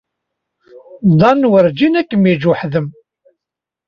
Dan werǧin ad kem-yeǧǧ weḥd-m.